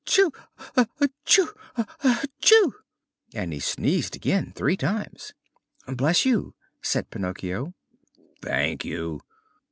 Etchoo! etchoo! etchoo!" and he sneezed again three times. "Bless you" said Pinocchio. "Thank you!